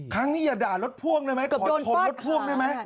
อย่าด่ารถพ่วงได้ไหมขอชนรถพ่วงได้ไหม